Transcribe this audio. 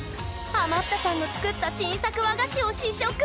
ハマったさんの作った新作和菓子を試食！